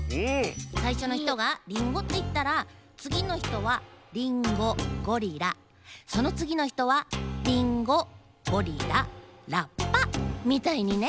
さいしょのひとが「リンゴ」っていったらつぎのひとは「リンゴゴリラ」そのつぎのひとは「リンゴゴリララッパ」みたいにね！